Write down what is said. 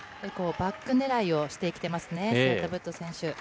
バック狙いをしてきてますね、セウタブット選手。